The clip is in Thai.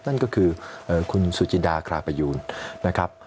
นั่นก็คือคุณสุจินดาคราประยูนนะครับ